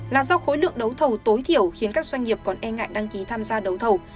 là do khối lượng đấu thầu tối thiểu khiến các doanh nghiệp còn e ngại đăng ký tham gia đấu thầu